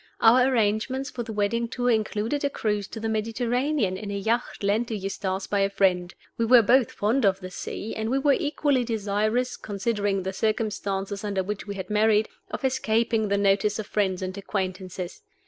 Our arrangements for the wedding tour included a cruise to the Mediterranean in a yacht lent to Eustace by a friend. We were both fond of the sea, and we were equally desirous, considering the circumstances under which we had married, of escaping the notice of friends and acquaintances.